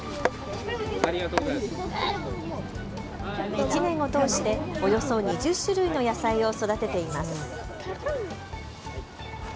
１年を通して、およそ２０種類の野菜を育てています。